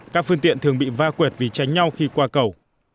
các phương tiện thường bị va quệt vì tránh nhau khi qua cầu